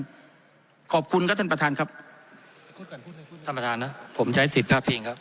ต้องกลับไปให้ผ่านนี้ครับคุณท่านประทานครับครับแต่ท่านประทานน่ะผมใช้สิทธิ์ผ้าผิงครับ